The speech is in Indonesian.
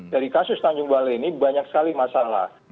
dari kasus tanjung balai ini banyak sekali masalah